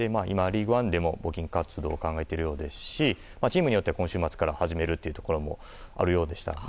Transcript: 今、リーグワンでも募金活動を考えているようですしチームによっては今週末から始めるところもあるようでした。